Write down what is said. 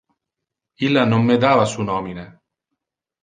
Illa non me dava su nomine.